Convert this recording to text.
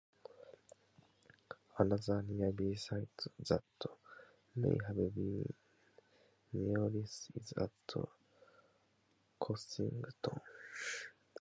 Another nearby site that may have been Neolithic is at Cossington.